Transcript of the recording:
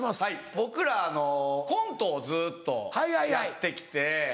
僕らコントをずっとやって来て。